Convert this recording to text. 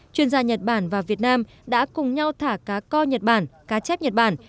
chuyên gia nhật bản và việt nam đã cùng nhau thả cá co nhật bản cá chép nhật bản